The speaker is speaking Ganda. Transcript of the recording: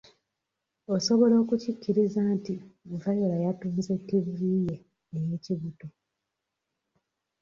Osobola okukikkiriza nti viola yatunze ttivi ye ey'ekibuto.